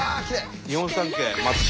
日本三景松島。